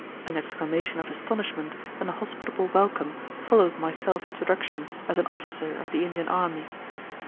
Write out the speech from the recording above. An exclamation of astonishment and a hospitable welcome followed my self introduction as an officer of the Indian army.